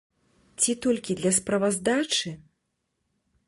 Ці толькі для справаздачы?